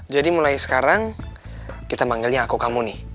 jadi mulai sekarang kita manggilnya aku kamu nih